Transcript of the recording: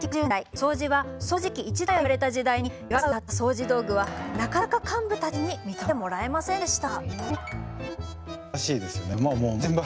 掃除は、掃除機１台あれば十分といわれた時代に手軽さをうたった掃除道具はなかなか幹部たちに認めてもらえませんでした。